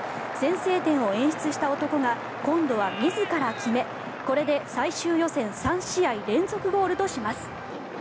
先制点を演出した男が今度は自ら決めこれで最終予選３試合連続ゴールとします。